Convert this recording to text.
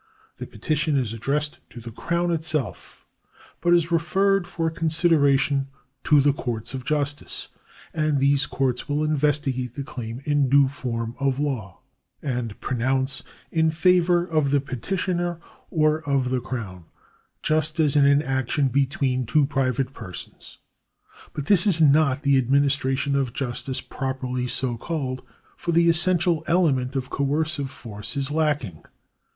The petition is addressed to the Crown itself, but is referred for consideration to the courts of justice, and these courts will investigate the claim in due form of law, and pronounce in favour of the petitioner or of the Crown, just as in an action between two private persons. But this is not the administration of justice properly so called, for the essential element of coercive force is lacking.